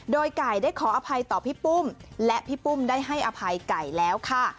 โดยไก่ได้ขออภัยต่อพี่ปุ้มและพี่ปุ้มได้ให้อภัยไก่แล้วค่ะ